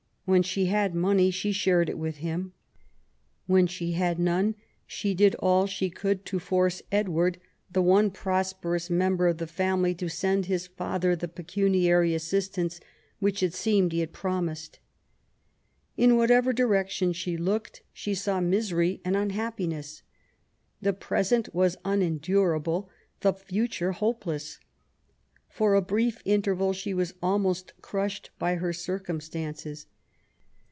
When she had money^ she shared it with him. When she had none, she did all she could to force Edward, the one prosperous 46 MABY W0LL8T0NECEAFT GODWIN. member of the family, to send his father the pecuniary assistance which, it seems, he had promised. In whatever direction she looked, she saw misery and unhappiness. The present was unendurable, the future hopeless. For a brief interval she was almost crushed by her circumstances.